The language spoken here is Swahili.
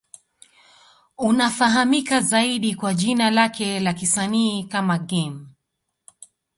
Anafahamika zaidi kwa jina lake la kisanii kama Game.